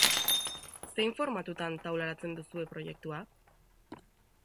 Zein formatutan taularatzen duzue proiektua?